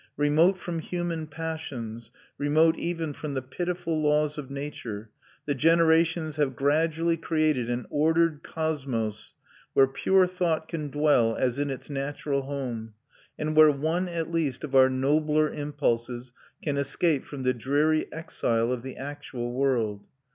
Remote from human passions, remote even from the pitiful laws of nature, the generations have gradually created an ordered cosmos where pure thought can dwell as in its natural home, and where one, at least, of our nobler impulses can escape from the dreary exile of the actual world."